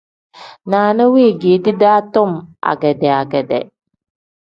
Naana weegedi daa tom agedaa-gedaa.